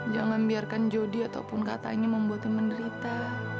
jangan biarkan jodi ataupun katanya membuatnya menderita